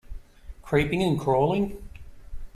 Creeping and crawling.